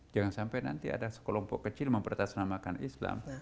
jangan sampai nanti ada sekelompok kecil mempertasnamakan islam